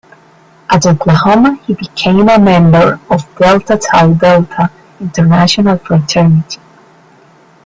At Oklahoma he became a member of Delta Tau Delta International Fraternity.